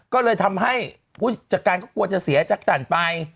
ก็เลยทำให้ผู้จัดการก็กลัวจะเสียจักรจันทร์ไป